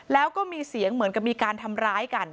แล้วก็มีเสียงเหมือนกับมีการทำร้ายกัน